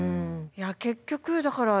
結局だから机も。